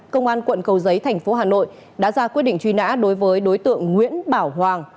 công an quận cầu giấy thành phố hà nội đã ra quyết định truy nã đối với đối tượng nguyễn bảo hoàng